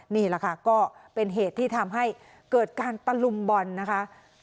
นี่แหละค่ะก็เป็นเหตุที่ทำให้เกิดการตะลุมบอลนะคะ